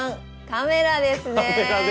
カメラですね。